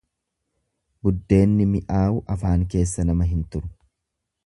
Buddeenni mi'aawu afaan keessa nama hin turu.